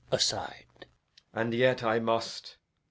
[aside] And yet I must.